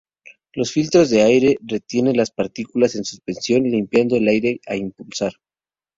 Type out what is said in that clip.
Los filtros de aire retienen las partículas en suspensión limpiando el aire a impulsar.